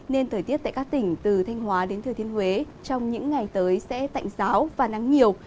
nên thời tiết tại các tỉnh từ thanh hóa đến thừa thiên huế trong những ngày tới sẽ tạnh giáo và nắng nhiều